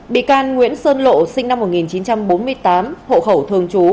bị can nguyễn sơn lộ sinh năm một nghìn chín trăm bốn mươi tám hộ khẩu thường trú